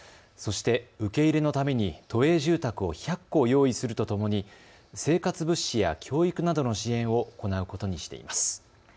そして受け入れのために都営住宅を１００戸用意するとともに生活物資や教育などの支援を行うことにしています。